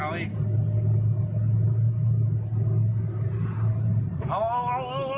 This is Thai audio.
เอาเอาเอาเอาเอา